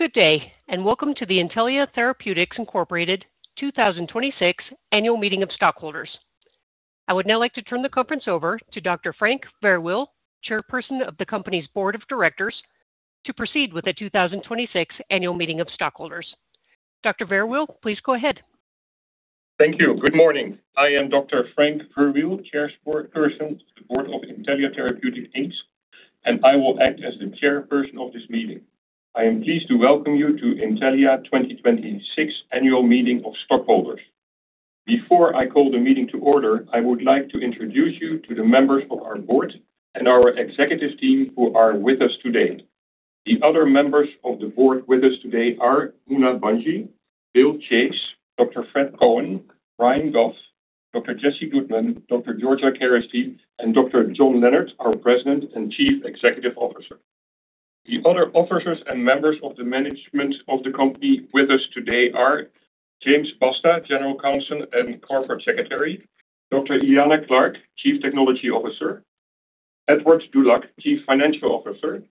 Good day, welcome to the Intellia Therapeutics, Inc. 2026 Annual Meeting of Stockholders. I would now like to turn the conference over to Dr. Frank Verwiel, Chairperson of the company's Board of Directors, to proceed with the 2026 Annual Meeting of Stockholders. Dr. Verwiel, please go ahead. Thank you. Good morning. I am Dr. Frank Verwiel, Chairperson of the Board of Intellia Therapeutics, Inc., I will act as the chairperson of this meeting. I am pleased to welcome you to Intellia 2026 Annual Meeting of Stockholders. Before I call the meeting to order, I would like to introduce you to the members of our Board and our executive team who are with us today. The other members of the Board with us today are Muna Bhanji, Bill Chase, Dr. Fred Cohen, Brian Goff, Dr. Jesse Goodman, Dr. Georgia Keresty, and Dr. John Leonard, our President and Chief Executive Officer. The other officers and members of the management of the company with us today are James Basta, General Counsel and Corporate Secretary, Dr. Eliana Clark, Chief Technology Officer, Edward Dulac, Chief Financial Officer,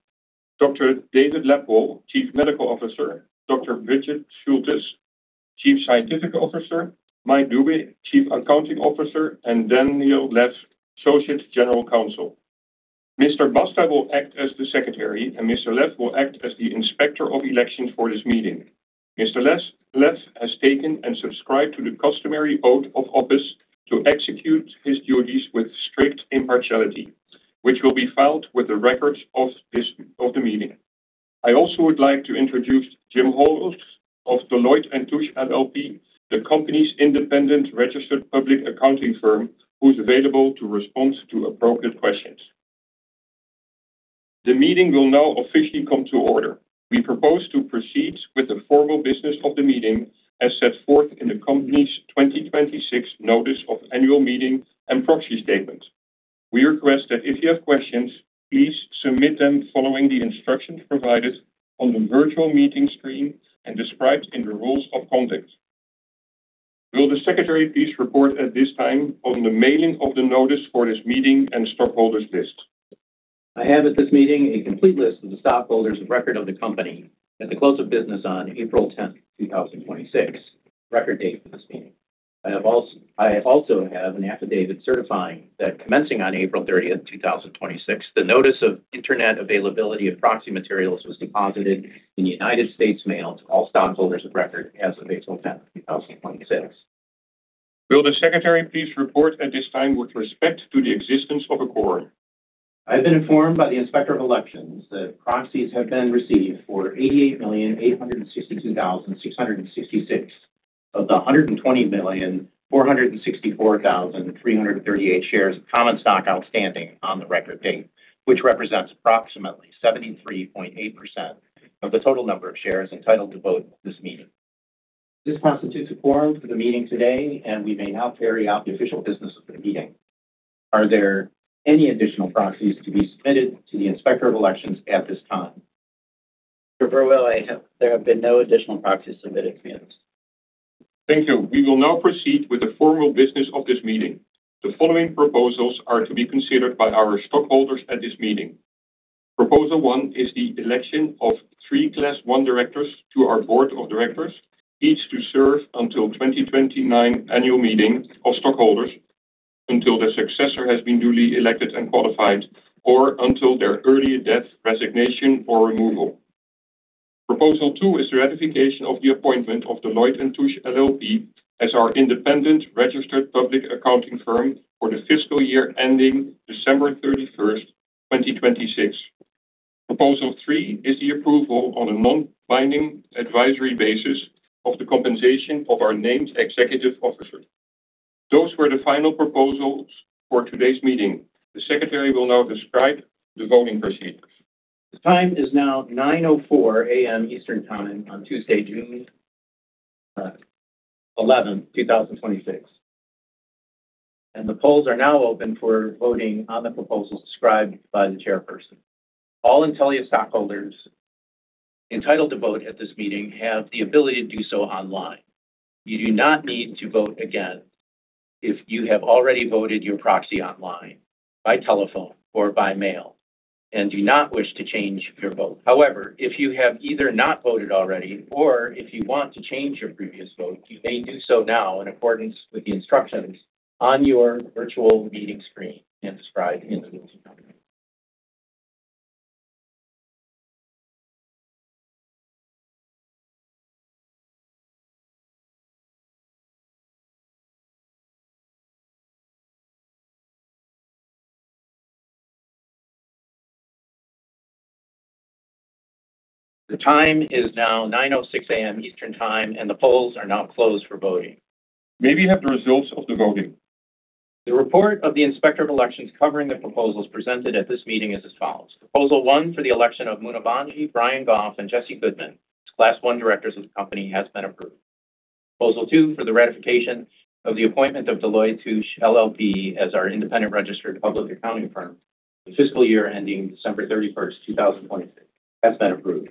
Dr. David Lebwohl, Chief Medical Officer, Dr. Birgit Schultes, Chief Scientific Officer, Michael P. Dube, Chief Accounting Officer, Daniel Lev, Associate General Counsel. Mr. Basta will act as the secretary, Mr. Lev will act as the Inspector of Election for this meeting. Mr. Lev has taken and subscribed to the customary oath of office to execute his duties with strict impartiality, which will be filed with the records of the meeting. I also would like to introduce James Horan of Deloitte & Touche LLP, the company's independent registered public accounting firm, who's available to respond to appropriate questions. The meeting will now officially come to order. We propose to proceed with the formal business of the meeting as set forth in the company's 2026 Notice of Annual Meeting and Proxy Statement. We request that if you have questions, please submit them following the instructions provided on the virtual meeting screen and described in the rules of conduct. Will the secretary please report at this time on the mailing of the notice for this meeting and stockholders list? I have at this meeting a complete list of the stockholders of record of the company at the close of business on April 10th, 2026, record date for this meeting. I also have an affidavit certifying that commencing on April 30th, 2026, the notice of Internet availability of proxy materials was deposited in United States mail to all stockholders of record as of April 10th, 2026. Will the secretary please report at this time with respect to the existence of a quorum? I have been informed by the Inspector of Elections that proxies have been received for 88,862,666 of the 120,464,338 shares of common stock outstanding on the record date, which represents approximately 73.8% of the total number of shares entitled to vote at this meeting. This constitutes a quorum for the meeting today. We may now carry out the official business of the meeting. Are there any additional proxies to be submitted to the Inspector of Elections at this time? Mr. Verwiel, there have been no additional proxies submitted to me. Thank you. We will now proceed with the formal business of this meeting. The following proposals are to be considered by our stockholders at this meeting. Proposal one is the election of three Class I directors to our board of directors, each to serve until 2029 Annual Meeting of Stockholders, until their successor has been duly elected and qualified, or until their early death, resignation, or removal. Proposal two is the ratification of the appointment of Deloitte & Touche LLP as our independent registered public accounting firm for the fiscal year ending December 31st, 2026. Proposal three is the approval on a non-binding advisory basis of the compensation of our named executive officers. Those were the final proposals for today's meeting. The secretary will now describe the voting procedures. The time is now 9:04 A.M. Eastern Time on Tuesday, June 11th, 2026. The polls are now open for voting on the proposals described by the chairperson. All Intellia stockholders entitled to vote at this meeting have the ability to do so online. You do not need to vote again if you have already voted your proxy online, by telephone, or by mail and do not wish to change your vote. However, if you have either not voted already or if you want to change your previous vote, you may do so now in accordance with the instructions on your virtual meeting screen and described in the rules and guidelines. The time is now 9:06 A.M. Eastern Time, and the polls are now closed for voting. May we have the results of the voting? The report of the Inspector of Elections covering the proposals presented at this meeting is as follows. Proposal one for the election of Muna Bhanji, Brian Goff, and Jesse Goodman as Class I Directors of the company has been approved. Proposal two for the ratification of the appointment of Deloitte & Touche LLP as our independent registered public accounting firm for the fiscal year ending December 31st, 2026, has been approved.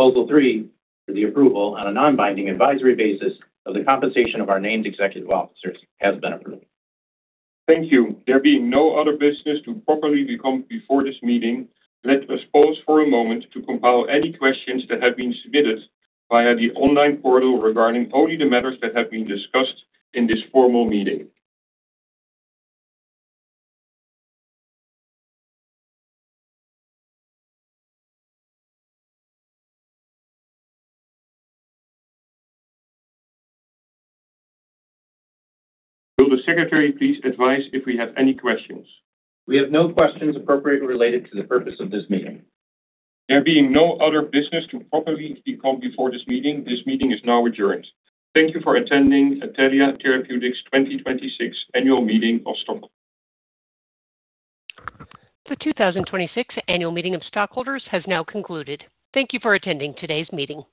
Proposal three for the approval on a non-binding advisory basis of the compensation of our named executive officers has been approved. Thank you. There being no other business to properly come before this meeting, let us pause for a moment to compile any questions that have been submitted via the online portal regarding only the matters that have been discussed in this formal meeting. Will the secretary please advise if we have any questions? We have no questions appropriately related to the purpose of this meeting. There being no other business to properly come before this meeting, this meeting is now adjourned. Thank you for attending Intellia Therapeutics 2026 Annual Meeting of Stockholders. The 2026 Annual Meeting of Stockholders has now concluded. Thank you for attending today's meeting.